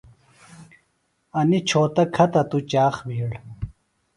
انیۡ چھوتہ کھہ تہ توۡ چاخ بِھیڑ